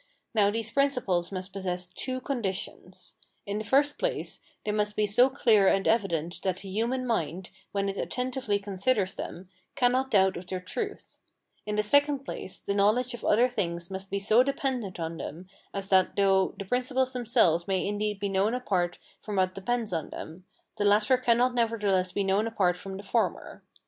Now these principles must possess TWO CONDITIONS: in the first place, they must be so clear and evident that the human mind, when it attentively considers them, cannot doubt of their truth; in the second place, the knowledge of other things must be so dependent on them as that though the principles themselves may indeed be known apart from what depends on them, the latter cannot nevertheless be known apart from the former.